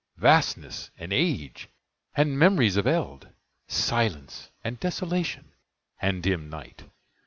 Vastness! and Age! and Memories of Eld! Silence! and Desolation! and dim Night!